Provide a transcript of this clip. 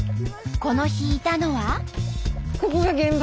この日いたのは。